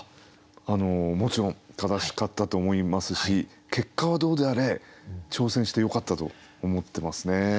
もちろん正しかったと思いますし結果はどうであれ挑戦してよかったと思ってますね。